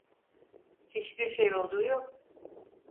Hiçbir şey olduğu yok.